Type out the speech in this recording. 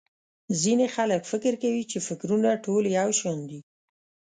ځينې خلک فکر کوي چې٫ فکرونه ټول يو شان دي.